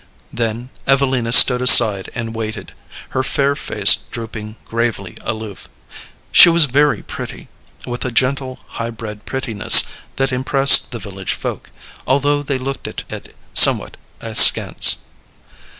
Then Evelina stood aside and waited, her fair face drooping gravely aloof. She was very pretty, with a gentle high bred prettiness that impressed the village folk, although they looked at it somewhat askance.